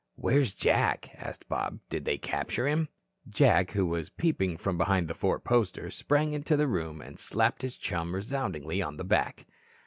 "Where's Jack?" asked Bob. "Did they capture him?" Jack, who was peeping from behind the four poster, sprang into the room, and slapped his chum resoundingly on the back.